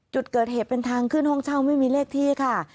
จุดเกิดเหตุเป็นทางขึ้นห้องเช่าไม่มีเลขที่ค่ะ